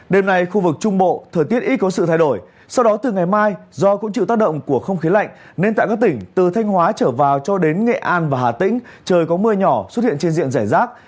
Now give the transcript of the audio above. đêm nay khu vực trung bộ thời tiết ít có sự thay đổi sau đó từ ngày mai do cũng chịu tác động của không khí lạnh nên tại các tỉnh từ thanh hóa trở vào cho đến nghệ an và hà tĩnh trời có mưa nhỏ xuất hiện trên diện giải rác